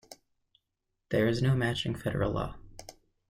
There is no matching Federal law.